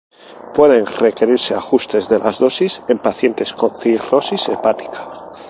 Pueden requerirse ajustes de la dosis en pacientes con cirrosis hepática.